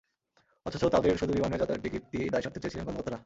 অথচ তাঁদের শুধু বিমানের যাতায়াত টিকিট দিয়েই দায় সারতে চেয়েছিলেন কর্মকর্তারা।